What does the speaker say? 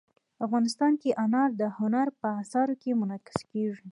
افغانستان کې انار د هنر په اثار کې منعکس کېږي.